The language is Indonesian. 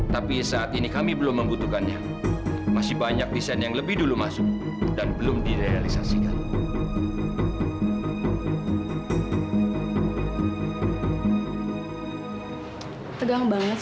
tapi aku pikir kalau misalnya kamu les vokal sedikit sih ya lebih bagus